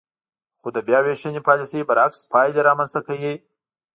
خو د بیاوېشنې پالیسۍ برعکس پایلې رامنځ ته کوي.